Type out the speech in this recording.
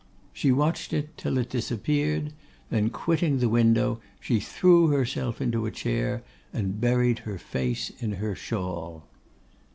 She watched it till it disappeared; then quitting the window, she threw herself into a chair, and buried her face in her shawl.